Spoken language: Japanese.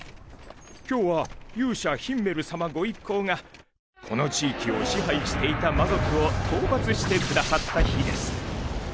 今日は勇者ヒンメル様ご一行がこの地域を支配していた魔族を討伐してくださった日です。